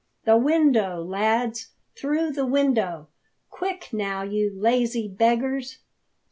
"The window, lads! through the window! Quick now, you lazy beggars!"